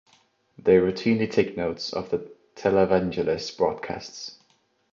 They routinely take notes of the televangelists broadcasts.